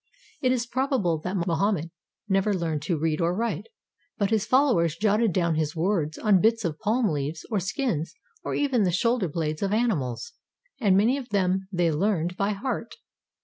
It is probable that Mohammed never learned to read or write, but his followers jotted down his words on bits of palm leaves or skins or even the shoulder blades of animals, and many of them they learned by heart.